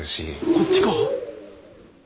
あっちか？